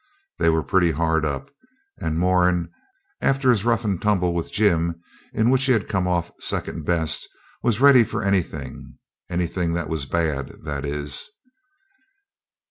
They were pretty hard up; and Moran after his rough and tumble with Jim, in which he had come off second best, was ready for anything anything that was bad, that is.